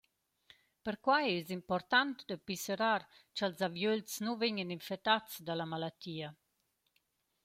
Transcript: Perquai esa important da pisserar cha’ls aviöls nu vegnan infettats da la malatia.»